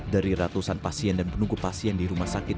dari ratusan pasien dan penunggu pasien di rumah sakit